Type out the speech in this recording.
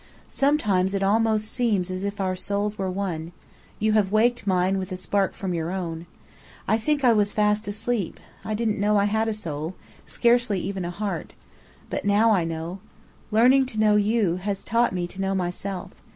Sometimes it almost seems as if our souls were one. You have waked mine with a spark from your own. I think I was fast asleep. I didn't know I had a soul scarcely even a heart. But now I know! Learning to know you has taught me to know myself.